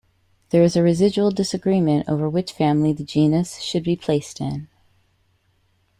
There is residual disagreement over which family the genus should be placed in.